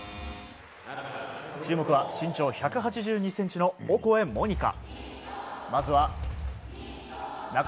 注目は身長１８２ｃｍのオコエ桃仁花。